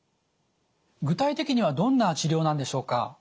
具体的にはどんな治療なんでしょうか？